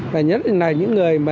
và nhất là những người